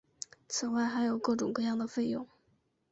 此外还有各种各样的费用。